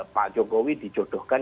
pak jokowi dijodohkan